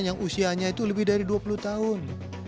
yang usianya itu lebih dari dua puluh tahun